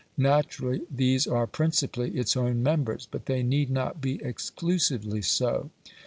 Naturally these are principally its own members but they need not be exclusively so.